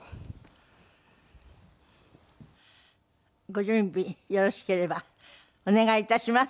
ご準備よろしければお願い致します。